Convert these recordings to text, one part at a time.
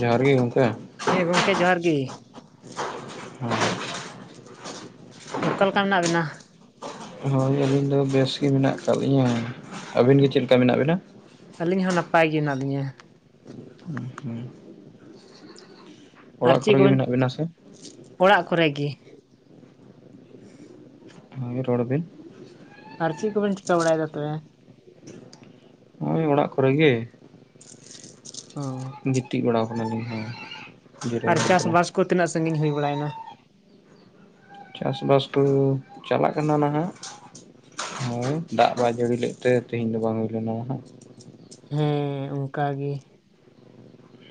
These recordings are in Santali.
ᱡᱚᱦᱟᱨ ᱜᱮ ᱜᱚᱝᱠᱮ᱾ ᱦᱮᱸ ᱜᱚᱢᱠᱮ ᱡᱚᱦᱟᱨ ᱜᱤ᱾ ᱦᱮᱸ᱾ ᱚᱠᱟ ᱞᱮᱠᱟ ᱢᱮᱱᱟᱜ ᱵᱤᱱᱟ? ᱦᱳᱭ ᱟᱹᱞᱤᱧ ᱫᱚ ᱵᱮᱥ ᱜᱮ ᱢᱮᱱᱟᱜ ᱠᱟᱜ, ᱞᱤᱧᱟᱹ ᱟᱹᱵᱤᱱ ᱜᱮ ᱪᱮᱫ ᱞᱮᱠᱟ ᱢᱮᱱᱟᱜ ᱵᱤᱱᱟ? ᱟᱹᱞᱤᱧ ᱦᱚᱸ ᱱᱟᱯᱟᱭ ᱜᱮ ᱦᱮᱱᱟᱜ ᱞᱤᱧᱟᱹ᱾ ᱦᱩᱸᱜ ᱦᱩᱸ᱾ ᱟᱨ ᱪᱮᱫ ᱠᱚᱨᱮ ᱜᱮ ᱠᱚᱵᱮᱱ? ᱢᱮᱱᱟᱜ ᱵᱤᱱᱟ ᱥᱮ ᱚᱲᱟᱜ ᱠᱚᱨᱮ ᱜᱮ᱾ ᱦᱩᱸ ᱨᱚᱲ ᱵᱮᱱ᱾ ᱟᱨ ᱪᱤᱫ ᱠᱚ ᱵᱤᱱ ᱪᱮᱠᱟᱭ ᱵᱟᱲᱟᱭ ᱫᱟ ᱛᱚᱵᱮ? ᱱᱚᱜᱼᱚᱭ ᱚᱲᱟᱜ ᱠᱚᱨᱮ ᱜᱮ, ᱚ ᱜᱤᱛᱤᱡ ᱵᱟᱲᱟᱣ ᱟᱠᱟᱱᱟᱞᱤᱧ ᱦᱮᱸ᱾ ᱡᱤᱨᱟᱹᱣ ᱟᱨ ᱦᱩᱭ ᱪᱟᱥ ᱟᱠᱟᱱᱟ ᱵᱟᱥ ᱠᱚ ᱛᱤᱱᱟᱹᱜ ᱥᱟᱺᱜᱤᱧ ᱦᱩᱭ ᱵᱟᱲᱟᱭᱮᱱᱟ? ᱪᱟᱥ-ᱵᱟᱥ ᱠᱚ ᱪᱟᱞᱟᱜ ᱠᱟᱱᱟ ᱱᱟᱦᱟᱜ᱾ ᱦᱳᱭ ᱫᱟᱜ ᱵᱟᱭ ᱡᱟᱹᱲᱤ ᱞᱮᱫ ᱛᱮ ᱛᱮᱦᱤᱧ ᱫᱚ ᱵᱟᱝ ᱦᱩᱭ ᱞᱮᱱᱟ ᱱᱟᱦᱟᱸᱜ᱾ ᱦᱮᱸ ᱚᱱᱠᱟᱜᱮ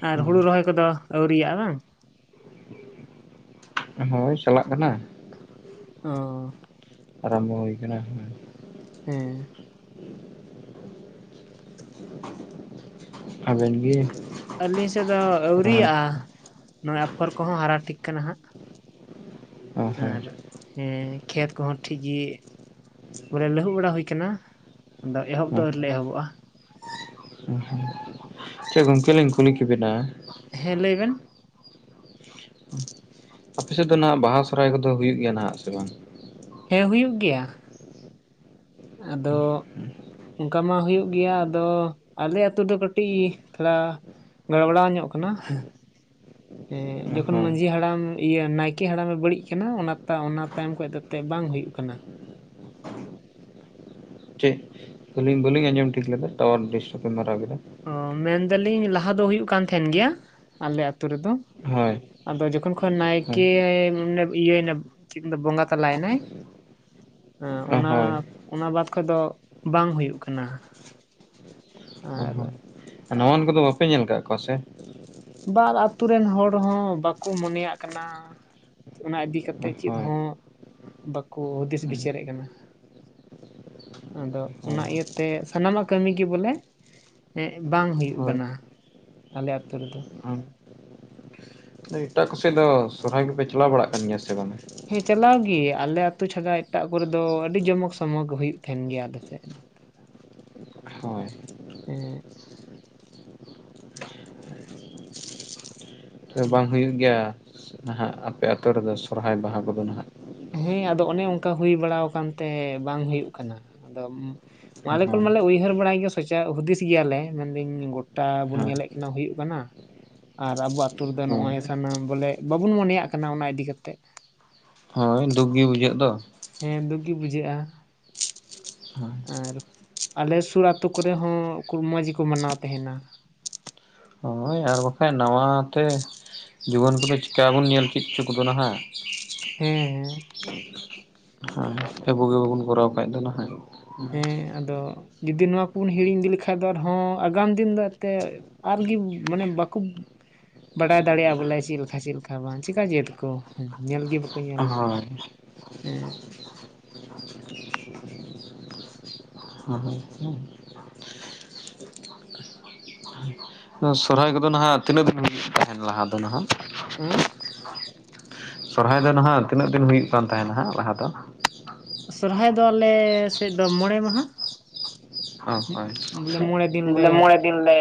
ᱟᱨ ᱦᱩᱲᱩ ᱨᱚᱦᱚᱭ ᱠᱚᱫᱚ, ᱟᱹᱣᱨᱤᱭᱟᱜᱼᱟ ᱵᱟᱝ? ᱦᱳᱭ ᱪᱟᱞᱟᱜ ᱠᱟᱱᱟ᱾ ᱚ ᱟᱨᱟᱢᱵᱚ ᱦᱩᱭ ᱠᱟᱱᱟ ᱾ ᱦᱮᱸ [inaudible] ᱟᱵᱮᱱ ᱜᱮ ᱟᱹᱞᱤᱧ ᱥᱮᱫ ᱫᱚ ᱨᱚᱦᱚᱭ ᱟᱹᱣᱨᱟᱜᱼᱟ ᱱᱚᱜᱼᱚᱭ ᱟᱯᱷᱚᱨ ᱠᱚᱦᱚᱸ ᱦᱟᱨᱟ ᱴᱷᱤᱠ ᱠᱟᱱᱟ ᱦᱟᱸᱜ᱾ ᱦᱳᱭ ᱦᱳᱭ ᱟᱨ ᱦᱮᱸ ᱠᱷᱮᱛ ᱠᱚᱦᱚᱸ ᱴᱷᱤᱠ ᱜᱮ ᱵᱚᱞᱮ ᱞᱟᱹᱦᱩᱵ ᱵᱮᱲᱟ ᱦᱩᱭ ᱠᱟᱱᱟ, ᱟᱫᱚ ᱮᱦᱚᱵ ᱫᱚ ᱟᱹᱣᱨᱤ ᱞᱮ ᱮᱦᱚᱵᱚᱜᱼᱟ᱾ ᱦᱩᱸ ᱦᱩ ᱪᱮᱫ ᱜᱚᱝᱠᱮ ᱞᱤᱧ ᱠᱩᱞᱤ ᱠᱮᱵᱤᱱᱟ, ᱦᱮᱸ ᱞᱟᱹᱭᱵᱮᱱ᱾ ᱟᱯᱮ ᱥᱮᱫ ᱫᱚ ᱱᱟᱦᱟᱜ ᱵᱟᱦᱟ ᱥᱚᱨᱟᱭ ᱠᱚᱫᱚ ᱦᱩᱭᱩᱜ ᱜᱮᱭᱟ ᱱᱟᱦᱟᱜ ᱥᱮ ᱵᱟᱝ? ᱦᱮᱸ ᱦᱩᱭᱩᱜ ᱜᱮᱭᱟ᱾ ᱟᱫᱚ ᱚᱱᱠᱟ ᱢᱟ ᱦᱩᱭᱩᱜ ᱜᱮᱭᱟ ᱟᱫᱚ ᱟᱞᱮ ᱟᱹᱛᱩ ᱫᱚ ᱠᱟᱹᱴᱤᱡ ᱛᱷᱚᱲᱟ ᱜᱟᱲᱵᱟᱲᱟᱣ ᱧᱚᱜ ᱠᱟᱱᱟ᱾ ᱦ [inaudible] ᱮᱻ ᱡᱚᱠᱷᱚᱱ ᱢᱟᱺᱡᱷᱤ ᱦᱟᱲᱟᱢ ᱤᱭᱟᱹ ᱱᱟᱭᱠᱮ ᱦᱟᱲᱟᱢᱮ ᱵᱟᱹᱲᱤᱡ ᱠᱟᱱᱟ ᱚᱱᱟ ᱛᱟ ᱚᱱᱟ ᱛᱟᱭᱚᱢ ᱠᱷᱚᱡ ᱫᱚᱛᱮ ᱵᱟᱝ ᱦᱩᱭᱩᱜ ᱠᱟᱱᱟ᱾ ᱴᱷᱤᱠ᱾ ᱟᱹᱞᱤᱧ ᱵᱟᱹᱞᱤᱧ ᱟᱸᱡᱚᱢ ᱴᱷᱤᱠ ᱞᱮᱫᱟ ᱴᱟᱣᱟᱨ ᱰᱤᱥᱴᱟᱵ ᱢᱟᱨᱟᱣ ᱠᱮᱫᱟ᱾ ᱚ ᱢᱮᱱᱫᱟᱞᱤᱧ ᱞᱟᱦᱟ ᱫᱚ ᱦᱩᱭᱩᱜ ᱠᱟᱱ ᱛᱟᱦᱮᱱ ᱜᱮᱭᱟ ᱟᱞᱮ ᱟᱛᱳ ᱨᱮᱫᱚ ᱦᱳᱭ᱾ ᱟᱫᱚ ᱡᱚᱠᱷᱚᱱ ᱠᱷᱚᱱ ᱦᱳᱭ ᱱᱟᱭᱠᱮ ᱤᱭᱟᱹᱭᱱᱟ ᱪᱮᱫ ᱠᱚᱢᱮᱱ ᱵᱚᱸᱜᱟ ᱛᱟᱞᱟᱭᱱᱟᱭ ᱟᱸ ᱚ ᱚᱱᱟ ᱦᱳᱭ ᱚᱱᱟ ᱵᱟᱫ ᱠᱷᱚᱡ ᱫᱚ ᱵᱟᱝ ᱦᱩᱭᱩᱜ ᱠᱟᱱᱟ᱾ ᱟᱨᱼᱼ ᱱᱟᱶᱟᱱ ᱠᱚᱫᱚ ᱵᱟᱯᱮ ᱧᱮᱞ ᱠᱟᱜ ᱠᱩᱣᱟ ᱥᱮ? ᱵᱟᱨ ᱟᱛᱩ ᱨᱮᱱ ᱦᱚᱲ ᱦᱚᱸ ᱵᱟᱠᱚ ᱢᱚᱱᱮ ᱭᱟᱜ ᱠᱟᱱᱟ᱾ ᱚᱱᱟ ᱤᱫᱤ ᱠᱟᱛᱮᱜ ᱪᱤᱫ ᱦᱳᱭ ᱦᱚᱸ ᱵᱟᱠᱚ ᱦᱩᱫᱤᱥ ᱦᱳᱭ ᱵᱤᱪᱟᱹᱨᱮᱜ ᱠᱟᱱᱟ ᱾ ᱟᱫᱚ ᱚᱱᱟ ᱦᱳᱭ ᱤᱭᱟᱹᱛᱮ ᱥᱟᱱᱟᱢᱟᱜ ᱠᱟᱹᱢᱤ ᱜᱮ ᱵᱚᱞᱮ ᱵᱟᱝ ᱦᱩᱭᱩᱜ ᱠᱟᱱᱟ ᱟᱞᱮ ᱟᱛᱳ ᱨᱮᱫᱚ᱾ ᱦᱳᱭ ᱮᱴᱟᱜ ᱠᱚᱥᱮ ᱫᱚ ᱥᱚᱨᱦᱟᱭ ᱜᱮᱯᱮ ᱪᱟᱞᱟᱣ ᱵᱟᱲᱟᱜ ᱠᱟᱱ ᱜᱮᱭᱟ ᱥᱮ ᱵᱟᱝ? ᱦᱮᱸ ᱪᱟᱞᱟᱣ ᱜᱤ ᱟᱞᱮ ᱟᱛᱚ ᱪᱷᱟᱰᱟ ᱮᱴᱟᱜ ᱠᱚᱨᱮ ᱫᱚ ᱟᱹᱰᱤ ᱡᱚᱢᱚᱠ ᱥᱚᱢᱚᱠ ᱦᱩᱭᱩᱜ ᱛᱟᱦᱮᱱ ᱜᱮᱭᱟ ᱟᱞ ᱥᱮᱫ ᱫᱚ᱾ ᱦᱳᱭ᱾ ᱦᱮᱸ᱾ ᱛᱚᱵᱮ ᱵᱟᱝ ᱦᱩᱭᱩᱜ ᱜᱮᱭᱟ ᱱᱟᱦᱟᱜ ᱟᱯᱮ ᱟᱛᱚ ᱨᱮᱫᱚ ᱥᱚᱨᱦᱟᱭ ᱵᱟᱦᱟ ᱠᱚᱫᱚ ᱱᱟᱦᱟᱜ? ᱦᱮᱸ ᱟᱫᱚ ᱚᱱᱮ ᱚᱱᱠᱟ ᱦᱩᱭ ᱵᱟᱲᱟ ᱟᱠᱟᱱᱛᱮ ᱵᱟᱝ ᱦᱩᱭᱩᱜ ᱠᱟᱱᱟ ᱟᱫᱚ ᱟᱞᱮ ᱠᱚ ᱦᱳᱭ ᱢᱟᱞᱮ ᱩᱭᱦᱟᱹᱨ ᱵᱟᱲᱟᱭ ᱜᱮᱭᱟ ᱥᱚᱪᱟᱣ ᱦᱩᱫᱤᱥ ᱜᱮᱭᱟᱞᱮ ᱢᱮᱱᱫᱟᱹᱧ ᱜᱚᱴᱟ ᱵᱚᱱ ᱦᱳᱭ ᱧᱮᱞᱮᱫ ᱠᱟᱱᱟ ᱦᱩᱭᱩᱜ ᱠᱟᱱᱟ, ᱟᱨ ᱟᱵᱚ ᱟᱹᱛᱩᱳ ᱨᱮᱫᱚ ᱱᱚᱜᱼᱚᱭ ᱦᱳᱭ ᱥᱟᱱᱟᱢ ᱵᱚᱞᱮ ᱵᱟᱵᱚᱱ ᱢᱚᱱᱮᱭᱟᱜ ᱠᱟᱱᱟ ᱚᱱᱟ ᱤᱫᱤ ᱠᱟᱛᱮᱜ᱾ ᱦᱳᱭ ᱫᱩᱠ ᱜᱮ ᱵᱩᱡᱷᱟᱹᱜ ᱫᱚ᱾ ᱦᱮᱸ ᱫᱩᱠ ᱜᱤ ᱵᱩᱡᱷᱟᱹᱜ-ᱟ᱾ ᱦᱳᱭ ᱟᱨ ᱟᱞᱮ ᱥᱩᱨ ᱟᱛᱩ ᱠᱚᱨᱮ ᱦᱚᱸ ᱠᱩᱞ ᱢᱚᱡᱽ ᱜᱤᱠᱩ ᱢᱟᱱᱟᱶ ᱛᱮᱦᱮᱸᱱᱟ᱾ ᱱᱚᱜ-ᱚᱭ ᱟᱨ ᱵᱟᱠᱷᱟᱡ ᱱᱟᱶᱟ ᱛᱮ ᱡᱩᱣᱟᱹᱱ ᱠᱩᱫᱚ ᱪᱤᱠᱟ ᱵᱚᱱ ᱧᱮᱞ ᱪᱤᱫ ᱪᱩ ᱠᱩᱫᱚ ᱱᱟᱦᱟᱸᱜ᱾ ᱦᱮᱸ ᱦᱮᱸ᱾ ᱦᱮᱸ ᱟᱹᱵᱩ ᱜᱤ ᱵᱟᱵᱚᱱ ᱠᱚᱨᱟᱣ ᱠᱷᱟᱱ ᱫᱚ ᱱᱟᱦᱟᱸᱜ, ᱦᱮᱸ ᱟᱫᱚ ᱡᱩᱫᱤ ᱱᱩᱶᱟ ᱠᱩᱵᱚᱱ ᱦᱤᱲᱤᱧ ᱤᱫᱤ ᱞᱤᱠᱷᱟᱡ ᱫᱚ ᱟᱨ ᱦᱚᱸ ᱟᱜᱟᱢ ᱫᱤᱱ ᱫᱚ ᱮᱱᱛᱮᱜᱼᱼ ᱟᱨ ᱜᱤ ᱢᱟᱱᱮ ᱵᱟᱠᱩᱵᱽᱼᱼ ᱵᱟᱰᱟᱭ ᱫᱟᱲᱮᱭᱟᱜ-ᱟ ᱵᱚᱞᱮ ᱪᱤᱜ ᱞᱤᱠᱟ ᱪᱤᱜ ᱞᱤᱠᱟ ᱵᱟᱝ ᱪᱤᱠᱟ ᱪᱤᱫᱽ ᱟᱹᱠᱩ ᱦᱩᱸ ᱧᱮᱞ ᱜᱤ ᱠᱩ ᱧᱮᱞ ᱞᱤᱠᱷᱟᱡ, ᱦᱳᱭ ᱦᱮᱸ ᱦᱚᱭ ᱛᱚ᱾ ᱫᱚ ᱥᱚᱨᱦᱟᱭ ᱠᱚᱫᱚ ᱱᱟᱦᱟᱸᱜ ᱛᱤᱱᱟᱹᱜ ᱫᱤᱱ ᱛᱟᱦᱮᱱ ᱞᱟᱦᱟ ᱫᱚ ᱱᱟᱦᱟᱸᱜ ᱩᱸᱼᱼ [unintelligible] ᱥᱚᱨᱦᱟᱭ ᱫᱚ ᱱᱟᱦᱟᱸᱜ ᱛᱤᱱᱟᱹᱜ ᱫᱤᱱ ᱦᱩᱭᱩᱜ ᱠᱟᱱ ᱛᱟᱦᱮᱱᱟ ᱦᱟᱸᱜ ᱞᱟᱦᱟ ᱫᱚ? ᱥᱚᱨᱦᱟᱭ ᱫᱚ ᱟᱞᱮ ᱥᱮᱫ ᱫᱚ ᱢᱚᱬᱮ ᱢᱟᱦᱟᱸ᱾ ᱚ ᱦᱚᱭ, ᱢᱚᱬᱮ ᱫᱤᱱ ᱞᱮ ᱵᱚᱞᱮ ᱢᱚᱬᱮ ᱫᱤᱱ ᱞᱮᱼᱼ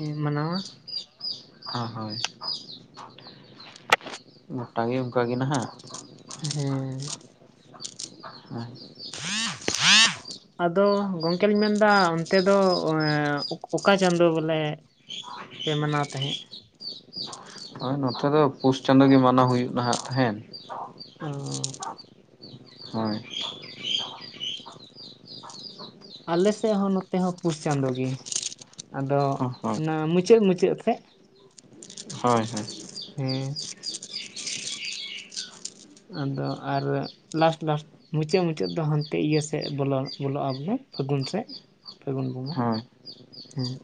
ᱤᱸ ᱢᱟᱱᱟᱣᱟ᱾ ᱦᱚ ᱦᱚᱭ᱾ ᱜᱚᱴᱟ ᱜᱮ ᱚᱱᱠᱟ ᱜᱮ ᱱᱟᱦᱟᱸᱜ ᱦᱮᱸ᱾ ᱟᱫᱚ ᱜᱚᱝᱠᱮ ᱞᱤᱧ ᱢᱮᱱᱫᱟ ᱚᱱᱛᱮ ᱫᱚ ᱮᱸ ᱚᱠᱟ ᱪᱟᱸᱫᱚ ᱵᱚᱞᱮ ᱯᱮ ᱢᱟᱱᱟᱣ ᱛᱟᱦᱮᱸᱜ ᱦᱳᱭ ᱱᱚᱛᱮ ᱫᱚ ᱯᱩᱥ ᱪᱟᱸᱫᱳ ᱜᱮ ᱢᱟᱱᱟᱣ ᱦᱩᱭᱩᱜ ᱱᱟᱦᱟᱸᱜ ᱛᱟᱦᱮᱸᱱ᱾ ᱚᱸ᱾ ᱦᱚᱭ᱾ ᱟᱞᱮ ᱥᱮᱫ ᱦᱚᱸ ᱱᱚᱛᱮ ᱦᱚᱸ ᱯᱩᱥ ᱪᱟᱸᱫᱳ ᱜᱤ ᱟᱫᱚ ᱦᱳᱭ ᱚᱱᱟ ᱢᱩᱪᱟᱹᱜ ᱢᱩᱪᱟᱹᱫ ᱥᱮᱫ᱾ ᱦᱚᱭ ᱦᱚᱭ᱾ ᱦᱩᱸ᱾ ᱟᱫᱚ ᱟᱨ ᱞᱟᱥᱴ ᱞᱟᱥᱴᱼᱼ ᱢᱩᱪᱟᱹᱜ ᱢᱩᱪᱟᱹᱫ ᱫᱚ ᱦᱟᱱᱛᱮ ᱤᱭᱟᱹ ᱥᱮᱜ ᱵᱚᱞᱚ ᱵᱚᱞᱚᱜ-ᱟ ᱵᱚᱞᱮ ᱯᱷᱟᱹᱜᱩᱱ ᱥᱮᱜ ᱯᱷᱟᱹᱜᱩᱱ ᱵᱚᱸᱜᱟ᱾ ᱦᱳᱭ ᱦᱮᱸ᱾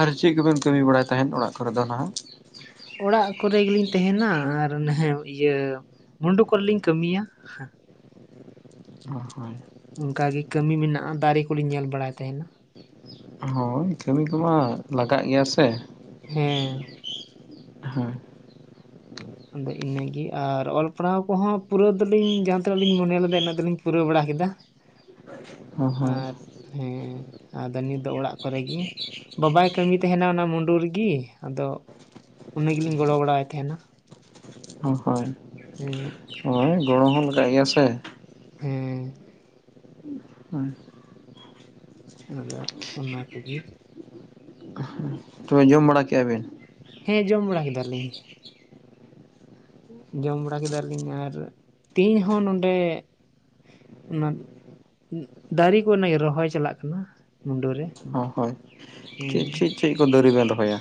ᱟᱨ ᱪᱤᱜ ᱠᱩᱵᱮᱱ ᱠᱟᱹᱢᱤ ᱵᱟᱲᱟᱭ ᱛᱟᱦᱮᱱ ᱚᱲᱟᱜ ᱠᱚᱨᱮ ᱫᱚ ᱱᱟᱦᱟᱸᱜ? ᱚᱲᱟᱜ ᱠᱚᱨᱮ ᱜᱤᱞᱤᱧ ᱛᱮᱦᱮᱱᱟ ᱟᱨ ᱱᱟᱦᱮᱸ ᱤᱭᱟᱹ ᱢᱩᱰᱩ ᱠᱚᱨᱮ ᱞᱤᱧ ᱠᱟᱹᱢᱤᱭᱟ ᱦᱟᱸ᱾ ᱦᱳᱭ ᱩᱱᱠᱟ ᱜᱤ ᱠᱟᱹᱢᱤ ᱢᱤᱱᱟᱜ-ᱟ ᱫᱟᱨᱤ ᱠᱩᱞᱤᱧ ᱧᱮᱞ ᱵᱟᱲᱟᱭ ᱛᱮᱦᱮᱱᱟ᱾ ᱦᱚᱜᱭ ᱠᱟᱹᱢᱤ ᱠᱚᱢᱟ ᱞᱟᱜᱟᱜ ᱜᱮᱭᱟ ᱥᱮ ᱦᱮᱸ ᱦᱳᱭ ᱟᱫᱚ ᱤᱱᱟᱹᱜᱮ ᱟᱨ ᱚᱞ ᱯᱟᱲᱦᱟᱣ ᱠᱚᱦᱚᱸ ᱯᱩᱨᱟᱹᱣ ᱫᱚᱞᱤᱧ ᱡᱟᱦᱟᱸᱛᱤᱱᱟᱹᱜ ᱞᱤᱧ ᱢᱚᱱᱮ ᱞᱮᱫᱟ ᱤᱱᱟᱹᱜ ᱫᱚᱞᱤᱧ ᱯᱩᱨᱟᱹᱣ ᱵᱟᱲᱟ ᱠᱮᱫᱟ [inaudible] ᱦᱳᱭ ᱟᱨ ᱦᱮᱸ ᱟᱫᱚ ᱱᱤᱛ ᱫᱚ ᱚᱲᱟᱜ ᱠᱚᱨᱮ ᱜᱤ᱾ ᱵᱟᱵᱟᱭ ᱠᱟᱹᱢᱤ ᱛᱮᱦᱮᱱᱟ ᱚᱱᱟ ᱢᱩᱰᱩ ᱨᱤᱜᱤ ᱟᱫᱚ ᱩᱱᱤ ᱜᱤᱞᱤᱧ ᱜᱚᱲᱚ ᱵᱟᱲᱟ ᱣᱟᱭ ᱛᱮᱦᱮᱱᱟ᱾ ᱚ ᱦᱚᱭ᱾ ᱦᱮᱸᱜ᱾ ᱚᱭ ᱜᱚᱲᱟ ᱦᱚᱸᱼᱼ ᱞᱟᱜᱟᱜ ᱜᱤᱭᱟ ᱥᱮ᱾ ᱦᱮᱸ᱾ ᱟᱫᱚ ᱚᱱᱟ ᱠᱩ ᱜᱤ᱾ ᱛᱚᱵᱮ ᱡᱚᱢ ᱵᱟᱲᱟ ᱠᱮᱜ-ᱟ ᱵᱮᱱ? ᱦᱮᱸ ᱡᱚᱢ ᱵᱟᱲᱟ ᱠᱮᱫᱟ ᱞᱤᱧ᱾ ᱡᱚᱢ ᱵᱟᱲᱟ ᱠᱮᱫᱟ ᱞᱤᱧ ᱟᱨ ᱛᱤᱦᱤᱧ ᱦᱚᱸ ᱱᱚᱰᱮ ᱚᱱᱟᱼᱼ ᱩᱜ ᱫᱟᱨᱮ ᱠᱚ ᱱᱟᱭ ᱨᱚᱦᱚᱭ ᱪᱟᱞᱟᱜ ᱠᱟᱱᱟ ᱢᱩᱰᱟᱹᱨᱮ ᱦᱚᱸ ᱦᱳᱭ ᱪᱮᱫ ᱪᱮᱫ ᱪᱮᱫ ᱠᱚ ᱫᱟᱨᱮ ᱵᱮᱱ ᱨᱚᱦᱚᱭᱟ?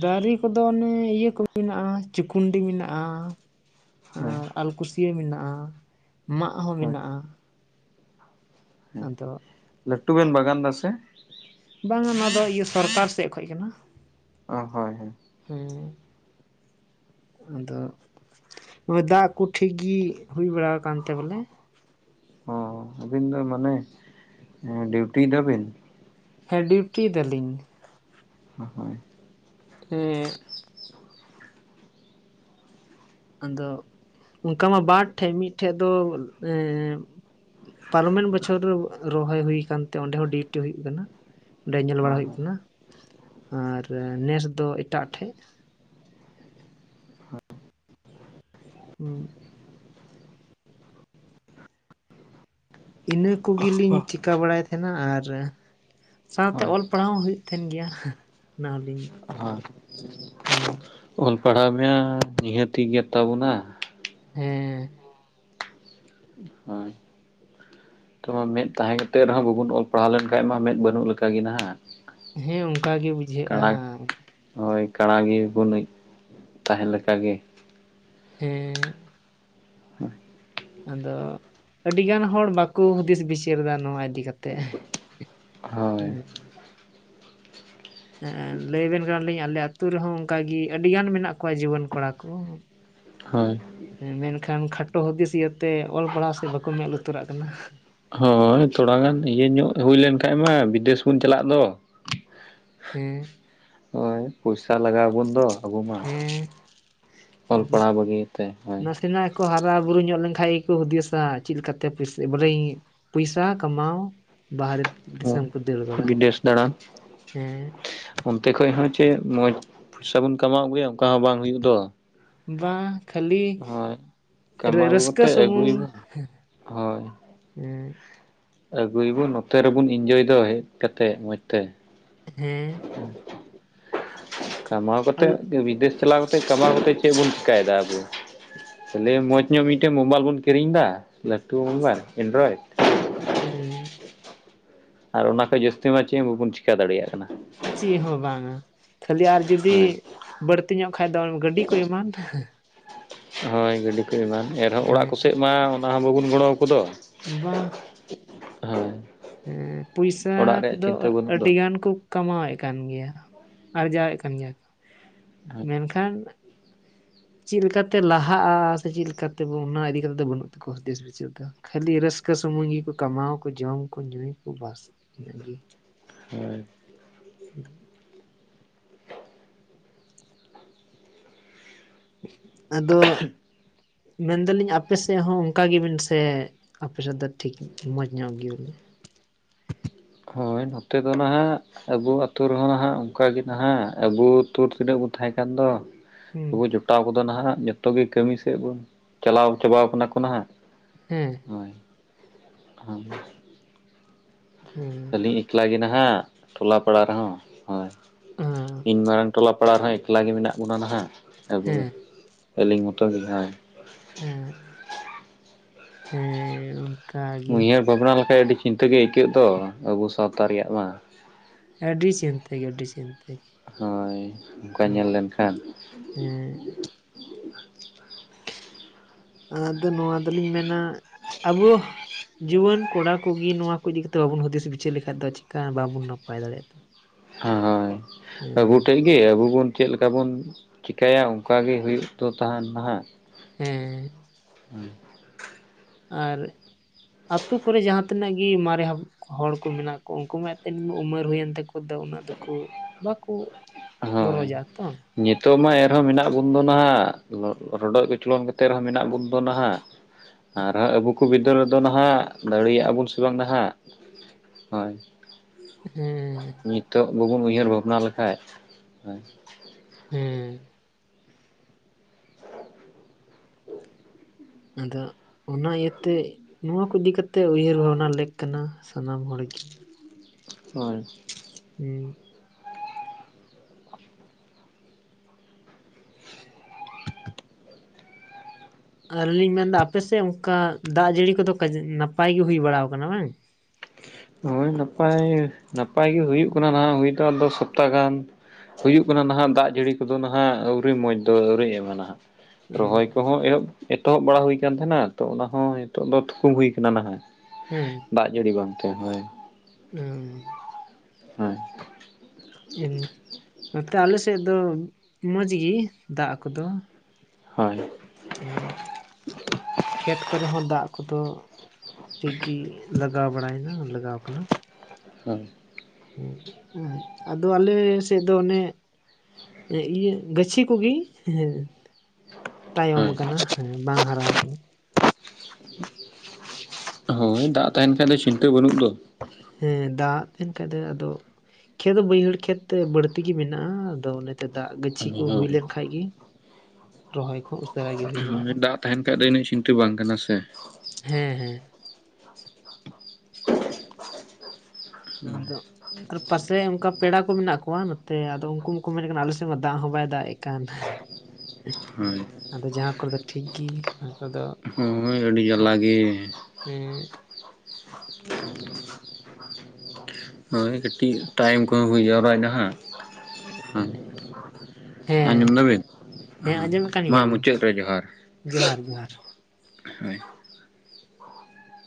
ᱫᱟᱨᱮ ᱠᱚᱫᱚ ᱚᱱᱮ ᱤᱭᱟᱹ ᱠᱚ ᱢᱮᱱᱟᱜᱼᱟ ᱪᱩᱠᱩᱱᱰᱤ ᱢᱮᱱᱟᱜᱼᱟ ᱦᱳᱭ ᱟᱨ ᱟᱞᱠᱩᱥᱭᱟᱹ ᱢᱮᱱᱟᱜᱼᱟ ᱢᱟᱜ ᱦᱚᱸ ᱦᱳᱭ ᱢᱮᱱᱟᱜᱼᱟ ᱦᱮᱸ ᱟᱫᱚ ᱞᱟᱹᱴᱩ ᱵᱮᱱ ᱵᱟᱜᱟᱱ ᱫᱟ ᱥᱮ? ᱵᱟᱝᱟ ᱱᱚᱣᱟ ᱫᱚ ᱤᱭᱟᱹ ᱥᱚᱨᱠᱟᱨ ᱥᱮᱫ ᱠᱷᱚᱡ ᱠᱟᱱᱟ ᱚ ᱦᱳᱭ ᱦᱮ ᱦᱮᱸ ᱟᱫᱚ ᱫᱟᱜ ᱠᱚ ᱴᱷᱤᱠ ᱜᱮ ᱦᱩᱭ ᱵᱟᱲᱟ ᱟᱠᱟᱱᱛᱮ ᱵᱚᱞᱮ ᱚ ᱟᱹᱵᱤᱱ ᱫᱚ ᱢᱟᱱᱮ ᱰᱤᱭᱩᱴᱤ ᱫᱟᱵᱤᱱ ᱦᱮᱸ ᱰᱤᱭᱩᱴᱤ ᱫᱟᱞᱤᱧ ᱦᱚᱭ ᱮᱼᱮᱦ ᱟᱫᱚ ᱚᱱᱠᱟ ᱢᱟ ᱵᱟᱨ ᱴᱷᱮᱡ ᱢᱤᱫᱴᱷᱮᱡ ᱫᱚ ᱮᱼᱮ ᱯᱟᱨᱚᱢᱮᱱ ᱵᱚᱪᱷᱚᱨ ᱨᱮ ᱨᱚᱦᱚᱭ ᱦᱩᱭ ᱟᱠᱟᱱᱛᱮ ᱚᱸᱰᱮ ᱦᱚᱸ ᱰᱤᱭᱩᱴᱤ ᱦᱩᱭᱩᱜ ᱠᱟᱱᱟ ᱚᱸᱰᱮ ᱧᱮᱞ ᱵᱟᱲᱟ ᱦᱳᱭ ᱦᱩᱭᱩᱜ ᱠᱟᱱᱟ ᱟᱨ ᱱᱮᱥ ᱫᱚ ᱮᱴᱟᱜ ᱴᱷᱮᱡ ᱦᱩᱸ ᱤᱱᱟᱹ ᱠᱩ ᱜᱮᱞᱤᱧ ᱪᱤᱠᱟᱹ ᱵᱟᱲᱟᱭ ᱛᱟᱦᱮᱱᱟ ᱟᱨᱼᱼ ᱥᱟᱶᱛᱮ ᱦᱳᱭ ᱚᱞ ᱯᱟᱲᱦᱟᱣ ᱦᱚᱸ ᱦᱩᱭᱩᱜ ᱛᱟᱦᱮᱱ ᱜᱮᱭᱟ ᱚᱱᱟ ᱦᱚᱸᱞᱤᱧ ᱦᱳᱭ ᱦᱮᱸ ᱚᱞ ᱯᱟᱲᱦᱟᱣ ᱢᱮᱭᱟ ᱱᱤᱦᱟᱹᱛᱤ ᱜᱮᱫ ᱛᱟᱵᱚᱱᱟ ᱦᱮᱸ ᱦᱳᱭ ᱛᱚᱵᱮ ᱢᱮᱫ ᱛᱟᱦᱮᱸ ᱠᱟᱛᱮᱫ ᱨᱮᱦᱚᱸ ᱵᱟᱵᱚᱱ ᱚᱞ ᱯᱟᱲᱦᱟᱣ ᱞᱮᱱᱠᱷᱟᱡ ᱢᱟ ᱢᱮᱸᱫ ᱵᱟᱹᱱᱩᱜ ᱞᱮᱠᱟ ᱜᱮ ᱱᱟᱦᱟᱜ ᱦᱮᱸ ᱚᱱᱠᱟ ᱜᱮ ᱠᱟᱬᱟ ᱵᱩᱡᱷᱟᱹᱜᱼᱟ ᱦᱳᱭ ᱠᱟᱬᱟ ᱜᱮ ᱵᱚ ᱧᱩᱡ ᱛᱟᱦᱮ ᱞᱮᱠᱟᱜ ᱜᱮ ᱦᱮᱸ ᱟᱫᱚ ᱟᱹᱰᱤᱜᱟᱱ ᱦᱚᱲ ᱵᱟᱠᱚ ᱦᱩᱫᱤᱥ ᱵᱤᱪᱟᱹᱨ ᱫᱟ ᱱᱚᱣᱟ ᱤᱫᱤ ᱠᱟᱛᱮᱫ ᱦᱳᱭ ᱮᱼᱮ ᱞᱟᱹᱭ ᱟᱵᱮᱱ ᱠᱟᱱᱟᱞᱤᱧ ᱟᱞᱮ ᱟᱹᱛᱩ ᱨᱮᱦᱚᱸ ᱚᱱᱠᱟᱜᱮ ᱟᱹᱰᱤᱜᱟᱱ ᱢᱮᱱᱟᱜ ᱠᱚᱣᱟ ᱡᱩᱣᱟᱹᱱ ᱠᱚᱲᱟ ᱠᱚ [inaudible] ᱮᱸ ᱢᱮᱱᱠᱷᱟᱱ ᱠᱷᱟᱴᱚ ᱦᱩᱫᱤᱥ ᱤᱭᱟᱹᱛᱮ ᱚᱞ ᱯᱟᱲᱦᱟᱣ ᱥᱮ ᱵᱟᱠᱚ ᱢᱮᱫ ᱞᱩᱛᱩᱨᱟᱜ ᱠᱟᱱᱟ ᱦᱚᱭ ᱛᱷᱚᱲᱟ ᱜᱟᱱ ᱤᱭᱟᱹ ᱧᱚᱜ ᱦᱩᱭ ᱞᱮᱱ ᱠᱷᱟᱱᱡ ᱢᱟ ᱵᱤᱫᱮᱥ ᱵᱚᱱ ᱪᱟᱞᱟᱜ ᱫᱚ ᱦᱮᱸ ᱦᱳᱭ ᱯᱚᱭᱥᱟ ᱞᱟᱜᱟᱣ ᱟᱵᱚᱱ ᱫᱚ ᱟᱵᱚ ᱢᱟ ᱦᱮᱸ ᱚᱞ ᱯᱟᱲᱦᱟᱣ ᱵᱟᱹᱜᱤ ᱛᱮ ᱦᱳ ᱱᱟᱥᱮᱱᱟᱜ ᱠᱚ ᱦᱟᱨᱟ ᱵᱩᱨᱩ ᱧᱚᱜ ᱞᱮᱱᱠᱷᱟᱡ ᱜᱮᱠᱚ ᱦᱩᱫᱤᱥᱟ ᱪᱮᱫ ᱞᱮᱠᱟᱛᱮ ᱵᱚᱞᱮ ᱯᱚᱭᱥᱟ ᱠᱟᱢᱟᱣ ᱵᱷᱟᱨᱮᱛ ᱦᱮᱸ ᱵᱤᱫᱮᱥ ᱫᱟᱲᱟᱱ ᱦᱮᱸ ᱚᱱᱛᱮ ᱠᱷᱚᱡ ᱦᱚᱸ ᱪᱮᱫ ᱢᱚᱸᱡᱽ ᱯᱚᱭᱥᱟ ᱵᱚᱱ ᱠᱟᱢᱟᱣ ᱟᱹᱜᱩᱭᱟ ᱚᱱᱠᱟ ᱦᱚᱸ ᱵᱟᱝ ᱦᱩᱭᱩᱜ ᱫᱚ ᱵᱟ ᱠᱷᱟᱹᱞᱤ ᱦᱳᱭ ᱨᱟᱹ ᱠᱟᱢᱟᱣ ᱟᱹᱜᱩ ᱨᱟᱹᱥᱠᱟᱹ ᱠᱟᱛᱮ ᱥᱩᱢᱩᱝ ᱟᱹᱜᱩᱭᱟᱵᱚᱱ ᱮ ᱟᱹᱜᱩᱭᱵᱚᱱ ᱱᱚᱛᱮ ᱨᱮᱵᱚᱱ ᱤᱱᱡᱚᱭ ᱫᱚ ᱦᱮᱡ ᱠᱟᱛᱮᱫ ᱢᱚᱸᱡᱽ ᱛᱮ ᱦᱮᱸ ᱠᱟᱢᱟᱣ ᱠᱟᱛᱮᱫ ᱵᱤᱫᱮᱥ ᱪᱟᱞᱟᱣ ᱠᱟᱛᱮ ᱠᱟᱢᱟᱣ ᱠᱟᱛᱮᱫ ᱪᱮᱫ ᱵᱚᱱ ᱪᱤᱠᱟᱭᱮᱫᱟ ᱟᱵᱚ ᱠᱷᱟᱞᱤ ᱢᱚᱸᱡᱽ ᱧᱚᱜ ᱢᱤᱫᱴᱮᱡ ᱢᱳᱵᱟᱭᱤᱞ ᱵᱚᱱ ᱠᱤᱨᱤᱧ ᱮᱫᱟ ᱞᱟᱹᱴᱩ ᱢᱳᱵᱟᱭᱤᱞ ᱮᱱᱰᱨᱚᱭᱰ ᱦᱮᱸ ᱟᱨ ᱚᱱᱟ ᱠᱷᱚᱡ ᱡᱟᱹᱥᱛᱤ ᱢᱟ ᱪᱮᱫ ᱵᱟᱵᱚᱱ ᱪᱤᱠᱟ ᱫᱟᱲᱮᱭᱟᱜ ᱠᱟᱱᱟ ᱪᱮ ᱦᱚᱸ ᱵᱟᱝ-ᱟ ᱠᱷᱟᱹᱞᱤ ᱟᱨ ᱡᱩᱫᱤ ᱦᱳᱭ ᱵᱟᱹᱲᱛᱤ ᱧᱚᱜ ᱠᱷᱟᱱ ᱫᱚ ᱜᱟᱹᱰᱤ ᱠᱚᱭ ᱮᱢᱟᱱ ᱦᱳᱭ ᱜᱟᱹᱰᱤ ᱠᱚ ᱮᱢᱟᱱ ᱮᱱᱦᱚᱸ ᱚᱲᱟᱜ ᱦᱮᱸ ᱠᱚᱥᱮᱫ ᱢᱟ ᱚᱱᱟ ᱦᱚᱸ ᱵᱟᱵᱚᱱ ᱜᱚᱲᱚᱣᱟᱠᱚ ᱫᱚ ᱵᱟ ᱦᱳᱭ ᱦᱮᱸ ᱯᱚᱭᱥᱟᱹ ᱚᱲᱟᱜ ᱨᱮᱭᱟᱜ ᱠᱚᱫᱚ ᱪᱤᱱᱛᱟᱹ ᱵᱟᱹᱱᱩᱜ ᱫᱚ ᱟᱹᱰᱤ ᱜᱟᱱ ᱠᱚ ᱠᱟᱢᱟᱣᱮᱫ ᱠᱟᱱ ᱜᱮᱭᱟ ᱟᱨᱡᱟᱣᱮᱫ ᱠᱟᱱ ᱜᱮᱭᱟ ᱠᱚ ᱢᱮᱱᱠᱷᱟᱱ ᱪᱮᱫ ᱞᱮᱠᱟ ᱛᱮ ᱞᱟᱦᱟᱜᱼᱟ ᱥᱮ ᱪᱮᱫ ᱞᱮᱠᱟ ᱛᱮ ᱚᱱᱟ ᱤᱫᱤ ᱠᱟᱛᱮᱫ ᱫᱚ ᱵᱟᱹᱱᱩᱜ ᱛᱟᱠᱚᱣᱟ ᱦᱩᱫᱤᱥ ᱵᱤᱪᱟᱨ ᱫᱚ ᱠᱷᱟᱹᱞᱤ ᱨᱟᱹᱥᱠᱟᱹ ᱥᱩᱢᱩᱝ ᱜᱮᱠᱚ ᱠᱟᱢᱟᱣᱟ ᱠᱚ ᱡᱚᱢ ᱠᱚ ᱧᱩᱭ ᱟᱠᱚ ᱵᱟᱥ ᱤᱱᱟᱹ ᱜᱮ ᱦᱳᱭ ᱾ ᱟᱫᱚ ᱢᱮᱱᱫᱟ ᱞᱤᱧ ᱟᱯᱮ ᱥᱮᱫ ᱦᱚᱸ ᱚᱱᱠᱟ ᱜᱮ ᱵᱮᱱ ᱥᱮ? ᱟᱯᱮ ᱥᱮᱫ ᱫᱚ ᱴᱷᱤᱠ ᱢᱚᱸᱡᱽ ᱧᱚᱜ ᱜᱮ ᱵᱚᱞᱮ ᱦᱳᱭ ᱱᱚᱛᱮ ᱫᱚ ᱱᱟᱦᱟᱜ ᱟᱵᱚ ᱟᱛᱳ ᱨᱮᱦᱚᱸ ᱦᱟᱜ ᱚᱱᱠᱟ ᱜᱮ ᱱᱟᱦᱟᱜ ᱟᱵᱩ ᱦᱩᱛᱩ ᱛᱤᱱᱟᱹᱜ ᱵᱚᱱ ᱛᱟᱦᱮᱸ ᱠᱟᱱ ᱫᱚ ᱦᱮᱸ ᱟᱵᱚ ᱡᱚᱴᱟᱣ ᱠᱟᱚᱫ ᱱᱟᱦᱜ ᱡᱚᱛᱚ ᱜᱮ ᱠᱟᱹᱢᱤ ᱥᱮᱫ ᱵᱚᱱ ᱪᱟᱞᱟᱣ ᱪᱟᱵᱟᱣ ᱠᱟᱱᱟ ᱠᱚ ᱦᱟᱸᱜ ᱦᱮᱸ ᱦᱳᱭ ᱦᱟᱸ ᱦᱩᱸ ᱮᱠᱞᱟ ᱜᱮ ᱱᱟᱦᱟᱜ ᱴᱚᱞᱟ ᱯᱟᱲᱟ ᱨᱮᱦᱚᱸ ᱦᱳᱭ ᱤᱧ ᱢᱟᱨᱟᱝ ᱴᱚᱞᱟᱲᱟ ᱯᱟᱲᱟᱜ ᱨᱮᱦᱚᱸ ᱮᱠᱞᱟᱮ ᱢᱮᱱᱟᱜ ᱵᱚᱱᱟ ᱱᱟᱦᱜ ᱟᱹᱵᱩ ᱦᱮᱸ ᱜᱮ ᱟᱹᱞᱤᱧ ᱢᱚᱛᱚ ᱜᱮ ᱦᱟᱜ ᱦᱮᱸ ᱦᱮᱸ ᱚᱱᱠᱟᱜᱮ ᱩᱭᱦᱟᱹᱨ ᱵᱷᱟᱵᱽᱱᱟ ᱞᱮᱠᱷᱟᱡ ᱟᱹᱰᱤ ᱪᱤᱱᱛᱟᱹ ᱜᱮ ᱟᱹᱭᱠᱟᱹᱜ ᱫᱚ ᱟᱵᱚ ᱥᱟᱶᱛᱟ ᱨᱮᱭᱟᱜ ᱢᱟ ᱟᱹᱰᱤ ᱪᱤᱱᱛᱟᱹ ᱜᱮ ᱟᱹᱰᱤ ᱪᱤᱱᱛᱟᱹ ᱾ ᱦᱳᱭ ᱚᱱᱠᱟ ᱧᱮᱞ ᱞᱮᱱᱠᱷᱟᱱ ᱦᱮᱸ [inaudible] ᱟᱫᱚ ᱱᱚᱣᱟ ᱫᱚ ᱞᱤᱧ ᱢᱮᱱᱟ ᱟᱵᱚ ᱡᱩᱣᱟᱹᱱ ᱠᱚᱲᱟ ᱠᱚᱜᱮ ᱱᱚᱣᱟ ᱠᱚ ᱤᱫᱤ ᱠᱟᱛᱮᱫ ᱵᱟᱵᱚᱱ ᱦᱩᱫᱤᱥ ᱵᱤᱪᱟᱹᱨ ᱞᱮᱠᱷᱟᱡ ᱫᱚ ᱪᱮᱠᱟ ᱵᱟᱵᱚᱱ ᱱᱟᱯᱟᱭ ᱫᱟᱲᱮᱜᱼᱟ ᱦᱟᱸ ᱦᱳᱭ ᱟᱹᱵᱩ ᱴᱷᱮᱡ ᱜᱮ ᱟᱵᱚ ᱵᱚᱱ ᱪᱮᱫ ᱞᱮᱠᱟ ᱵᱚᱱ ᱪᱤᱠᱟᱹᱭᱟ ᱚᱱᱠᱟ ᱜᱮ ᱦᱩᱭᱩᱜ ᱫᱚ ᱛᱟᱦᱮᱱ ᱱᱟᱦᱜ ᱦᱮᱸ ᱦᱩᱸ ᱟᱨ ᱟᱹᱛᱳ ᱠᱚᱨᱮ ᱡᱟᱦᱟᱸ ᱛᱤᱱᱟᱹᱜ ᱜᱮ ᱢᱟᱨᱮ ᱦᱚᱲ ᱠᱚ ᱢᱮᱱᱟᱜ ᱠᱚᱣᱟ ᱩᱱᱠᱩ ᱢᱟ ᱮᱱᱛᱮ ᱩᱢᱟᱹᱨ ᱦᱩᱭᱮᱱ ᱛᱟᱠᱩ ᱫᱚ ᱩᱱᱟᱹᱜ ᱫᱚᱠᱚ ᱵᱟᱠᱩ ᱦᱳᱭ ᱜᱚᱨᱚᱡᱟ ᱛᱚ ᱱᱤᱛᱚᱜ ᱢᱟ ᱮᱱ ᱨᱮᱦᱚᱸ ᱢᱮᱱᱟᱜ ᱵᱚᱱ ᱫᱚ ᱱᱟᱦᱟᱜ ᱨᱚᱰᱚᱡ ᱠᱚᱪᱞᱚᱱ ᱠᱟᱛᱮᱜ ᱨᱮᱦᱚᱸ ᱢᱮᱱᱟᱜ ᱵᱚᱱ ᱫᱚ ᱱᱟᱦᱟᱜ ᱟᱨᱦᱟᱸ ᱟᱵᱚ ᱠᱚ ᱵᱤᱫᱟᱹᱞ ᱨᱮᱫᱚ ᱱᱟᱦᱜ ᱫᱟᱲᱮᱭᱟᱜ-ᱟ ᱵᱚᱱ ᱥᱮ ᱵᱟᱝ ᱱᱟᱦᱜ ᱦᱳᱭ ᱦᱮᱸ ᱱᱤᱛᱚᱜ ᱵᱟᱵᱚᱱ ᱩᱭᱦᱟᱹᱨ ᱵᱷᱟᱵᱽᱱᱟ ᱞᱮᱠᱷᱟᱡ ᱦᱩ ᱦᱮᱸ ᱟᱫᱚ ᱚᱱᱟ ᱤᱭᱟᱹᱛᱮ ᱱᱚᱣᱟ ᱠᱚ ᱤᱫᱤ ᱠᱟᱛᱮᱜ ᱩᱭᱦᱟᱹᱨ ᱵᱷᱟᱵᱽᱱᱟ ᱞᱮᱠ ᱠᱟᱱᱟ ᱥᱟᱱᱟᱢ ᱦᱚᱲᱜᱤ ᱦᱳᱭ ᱦᱩᱸ [unintelligible] ᱟᱹᱞᱤ ᱞᱤᱧ ᱢᱮᱱᱫᱟ ᱟᱯᱮ ᱥᱮᱫ ᱚᱱᱠᱟ ᱫᱟᱜ ᱡᱟᱹᱲᱤ ᱠᱚᱫᱚ ᱱᱟᱯᱟᱭ ᱜᱮ ᱦᱩᱭ ᱵᱟᱲᱟᱣ ᱟᱠᱟᱱᱟ ᱵᱟᱝ ᱦᱳᱭ ᱱᱟᱯᱟᱭ ᱱᱟᱯᱟᱭ ᱜᱮ ᱦᱩᱭᱩᱜ ᱠᱟᱱᱟ ᱱᱟᱦᱟᱜ ᱦᱩᱭ ᱫᱚ ᱟᱫᱚ ᱥᱚᱯᱛᱟ ᱜᱟᱱ ᱦᱩᱭᱩᱜ ᱠᱟᱱᱟ ᱱᱟᱦᱜ ᱫᱟᱜ ᱡᱟᱹᱲᱤ ᱠᱚᱫᱚ ᱱᱟᱦᱟᱜ ᱟᱹᱣᱨᱤ ᱢᱚᱡᱽ ᱫᱚ ᱟᱹᱣᱨᱤᱭ ᱮᱢᱟ ᱱᱟᱦᱟᱜ ᱨᱚᱦᱚᱭ ᱠᱚᱦᱚᱸ ᱮᱦᱚᱵ ᱮᱛᱚᱦᱚᱵ ᱵᱟᱲᱟ ᱦᱩᱭ ᱠᱟᱱ ᱛᱟᱦᱮᱱᱟ ᱛᱚ ᱚᱱᱟ ᱦᱚᱸ ᱱᱤᱛᱚᱜ ᱫᱚ ᱛᱷᱩᱠᱩᱢ ᱦᱩᱭ ᱠᱟᱱᱟ ᱱᱟᱦᱟᱜ ᱦᱮᱸ ᱫᱟᱜ ᱡᱟᱹᱲᱤ ᱵᱟᱝᱛᱮ ᱦᱳᱭ ᱚ ᱦᱮᱸ ᱱᱚᱛᱮ ᱟᱞᱮ ᱥᱮᱫ ᱫᱚ ᱢᱚᱡᱽ ᱜᱮ ᱫᱟᱜ ᱠᱚᱫᱚ ᱦᱳᱭ ᱦᱮᱸ ᱠᱷᱮᱛ ᱠᱚᱨᱮ ᱦᱚᱸ ᱫᱟᱜ ᱠᱚᱫᱚ ᱴᱷᱤᱠ ᱜᱮ ᱞᱟᱜᱟᱣ ᱵᱟᱲᱟᱭ ᱤᱱᱟᱹ ᱞᱟᱜᱟᱣ ᱠᱟᱱᱟ ᱦᱩᱸ ᱦᱮ ᱦᱮᱸ ᱟᱫᱚ ᱟᱞᱮ ᱥᱮᱫ ᱫᱚ ᱚᱱᱮ ᱦᱮ ᱤᱭᱟᱹ ᱜᱟᱹᱪᱷᱤ ᱠᱚᱜᱮ ᱦᱮᱸ ᱛᱟᱭᱚᱢ ᱦᱳᱭ ᱟᱠᱟᱱᱟ ᱦᱮᱸ ᱵᱟᱝ ᱦᱟᱨᱟ ᱟᱠᱟᱱᱟ᱾ ᱦᱳᱭ ᱫᱟᱜ ᱛᱟᱦᱮᱱ ᱠᱷᱟᱱᱡ ᱫᱚ ᱪᱤᱱᱛᱟᱹ ᱵᱟᱹᱱᱩᱜ ᱫᱚ᱾ ᱦᱮᱸ ᱫᱟᱜ ᱞᱮᱱ ᱠᱷᱟᱱ ᱫᱚ ᱟᱫᱚ, ᱠᱷᱮᱛ ᱫᱚ ᱵᱟᱹᱭᱦᱟᱹᱲ ᱠᱷᱮᱛ ᱛᱮ ᱵᱟᱹᱲᱛᱤ ᱜᱮ ᱢᱮᱱᱟᱜᱼᱟ᱾ ᱟᱫᱚ ᱚᱱᱮ ᱛᱮ ᱫᱟᱜ ᱜᱟᱹᱪᱷᱤ ᱠᱚ ᱦᱩᱭ ᱦᱳᱭ ᱞᱮᱱ ᱠᱷᱟᱱᱡ ᱜᱮ ᱨᱚᱦᱚᱭ ᱠᱚ ᱩᱥ ᱦᱮ ᱫᱟᱜ ᱛᱟᱦᱮᱱ ᱠᱷᱟᱡ ᱫᱚ ᱤᱱᱟᱹᱜ ᱪᱤᱱᱛᱟᱹ ᱵᱟᱝ ᱠᱟᱱᱟ ᱥᱮ ᱦᱮᱸ ᱦᱮᱸ ᱟᱫᱚ ᱟᱨ ᱯᱟᱥᱮ ᱚᱱᱠᱟ ᱯᱮᱲᱟ ᱠᱚ ᱠᱚ ᱢᱮᱱᱟᱜ ᱠᱚᱣᱟ᱾ ᱱᱚᱛᱮ ᱟᱫᱚ ᱩᱱᱠᱩ ᱢᱟᱠᱚ ᱢᱮᱱᱮᱫ ᱠᱟᱱᱟ ᱟᱞᱮ ᱥᱮᱫ ᱢᱟ ᱫᱟᱜ ᱦᱚᱸ ᱵᱟᱭ ᱫᱟᱜ ᱮᱜ ᱠᱟᱱ ᱦᱳᱭ ᱟᱫᱚ ᱡᱟᱦᱟᱸ ᱠᱚᱨᱮ ᱫᱚ ᱴᱷᱤᱠ ᱜᱮ ᱚᱱᱟ ᱠᱚᱨᱮ ᱫᱚ ᱦᱳᱭ ᱟᱹᱰᱤ ᱡᱟᱞᱟ ᱜᱮ ᱦᱮ ᱦᱳᱭ ᱠᱟᱹᱴᱤᱡ ᱴᱟᱭᱤᱢ ᱠᱚᱦᱚᱸ ᱦᱩᱭᱩᱜ-ᱟ ᱵᱟᱝ ᱱᱟᱦᱟᱜ ᱦᱟᱸᱜ ᱦᱮᱸ ᱟᱸᱡᱚᱢ ᱫᱟᱹᱵᱤᱱ ᱦᱮᱸ ᱟᱸᱡᱚᱢᱮᱫ ᱠᱟᱱ ᱢᱟ ᱜᱮᱭᱟᱞᱤᱧ ᱢᱩᱪᱟᱹᱫ ᱨᱮ ᱡᱚᱦᱟᱨ ᱡᱚᱦᱟᱨ ᱡᱚᱦᱟᱨ ᱦᱳᱭ